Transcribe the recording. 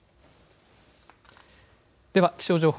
では、気象情報。